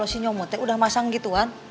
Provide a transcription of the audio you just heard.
kalau si nyomote udah masang gitu kan